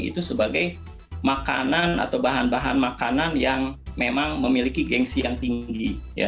itu sebagai makanan atau bahan bahan makanan yang memang memiliki gengsi yang tinggi